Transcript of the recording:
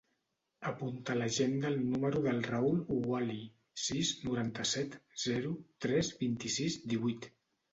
Apunta a l'agenda el número del Raül Ouali: sis, noranta-set, zero, tres, vint-i-sis, divuit.